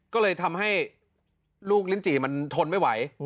ก็เลยทำให้ลูกลิ้นจี่มันทนไม่ไหว